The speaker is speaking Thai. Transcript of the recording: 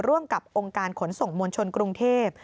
ร่วมกับองค์การขนส่งมวลชนกรุงเทพ